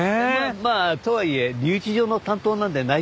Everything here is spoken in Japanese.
まあとはいえ留置場の担当なんで内勤です。